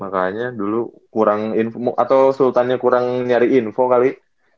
makanya dulu kurang info atau sultannya kurang nyari info kali